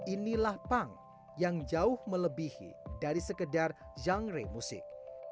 inilah punk yang jauh melebihi dari sekedar genre musik